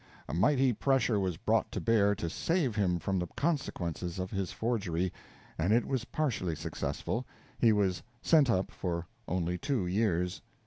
A mighty pressure was brought to bear to save him from the consequences of his forgery, and it was partially successful he was "sent up" for only two years.